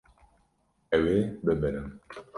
Ew ê bibirin.